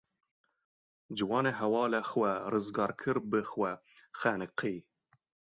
Ciwanê hevalê xwe rizgar kir bi xwe xeniqî.